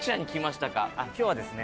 今日はですね。